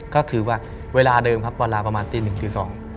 ก็คือว่าเวลาเดิมครับเวลาประมาณติด๑ติด๒